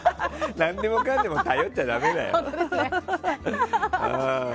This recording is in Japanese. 何でもかんでも頼っちゃダメだよ。